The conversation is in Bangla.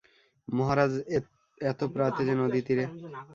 মহারাজ এত প্রাতে যে নদীতীরে?